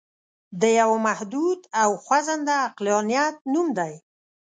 د یوه محدود او خوځنده عقلانیت نوم دی.